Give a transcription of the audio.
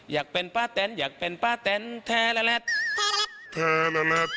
อยากเป็นป้าแตนอยากเป็นป้าแตนแทรละแรด